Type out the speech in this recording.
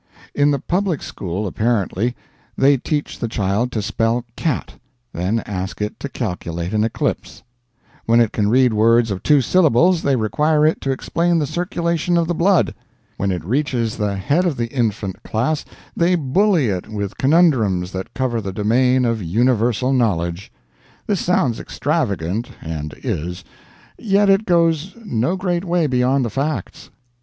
In the public school, apparently, they teach the child to spell cat, then ask it to calculate an eclipse; when it can read words of two syllables, they require it to explain the circulation of the blood; when it reaches the head of the infant class they bully it with conundrums that cover the domain of universal knowledge. This sounds extravagant and is; yet it goes no great way beyond the facts.